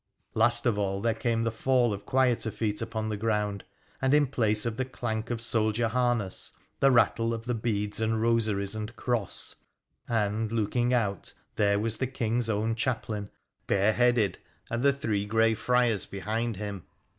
Last of all there came the fall of quieter feet upon the ground, and, in place of the clank of soldier harness, the rattle of the beads of rosaries and cross ; and, looking out, there was the King's own chaplain, bareheaded, and three grey friars behind him.